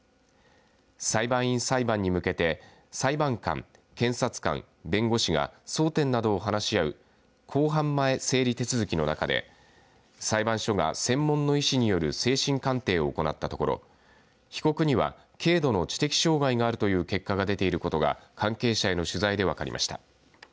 裁判員裁判に向けて裁判官、検察官、弁護士が争点などを話し合う公判前整理手続きの中で裁判所が専門の医師による精神鑑定を行ったところ被告には軽度の知的障害があるという結果が出ていることが関係者への取材で分かりました。